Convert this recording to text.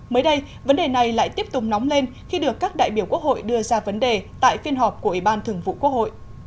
mới đây vấn đề này lại tiếp tục nóng lên khi được các đại biểu quốc hội đưa ra vấn đề tại phiên họp của ủy ban thường vụ quốc hội